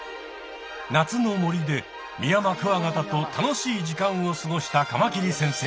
夏の森でミヤマクワガタと楽しい時間を過ごしたカマキリ先生。